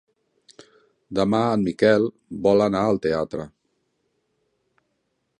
Demà en Miquel vol anar al teatre.